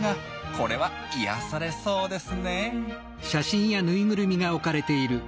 これは癒やされそうですねえ。